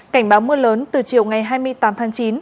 cảnh báo mưa lớn từ chiều ngày hai mươi tám tháng chín